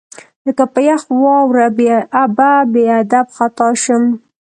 لکه په یخ واوره بې ابه، بې ادب خطا شم